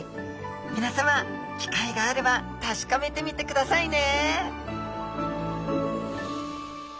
皆さま機会があれば確かめてみてくださいね！